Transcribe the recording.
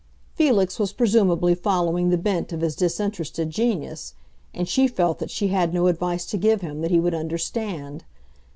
Felix was presumably following the bent of his disinterested genius, and she felt that she had no advice to give him that he would understand.